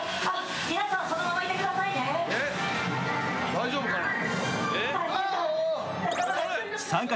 大丈夫かな？